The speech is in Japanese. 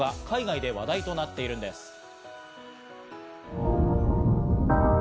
海外で話題となっているんです。